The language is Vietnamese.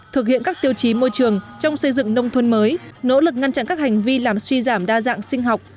thực hiện các tiêu chí môi trường trong xây dựng nông thôn mới nỗ lực ngăn chặn các hành vi làm suy giảm đa dạng sinh học